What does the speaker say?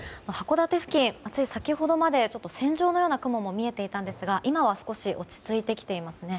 函館付近、つい先ほどまで線状のような雲も見えていたんですが今は少し落ち着いてきています。